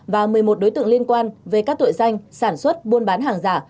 và một mươi một đối tượng liên quan về các tội danh sản xuất buôn bán hàng giả